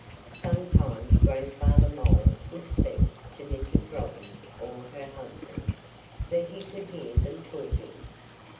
Sometimes Grandfather Mole would speak to Mrs. Robin, or her husband; for he could hear them talking.